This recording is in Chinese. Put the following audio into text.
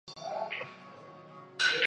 奈良县出身。